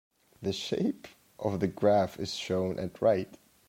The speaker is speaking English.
The shape of the graph is shown at right.